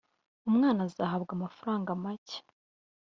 umwana azahabwa amafaranga make.